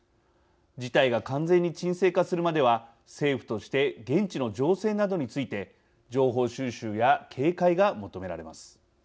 事態が完全に鎮静化するまでは政府として現地の情勢などについて情報収集や警戒が求められます。